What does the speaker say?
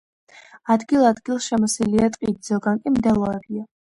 ადგილ-ადგილ შემოსილია ტყით, ზოგან კი მდელოებია.